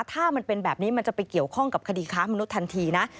ถ้ามันเป็นแบบนี้มันจะไปเกี่ยวข้องกับคดีค้ามนุษย์ทันทีนะ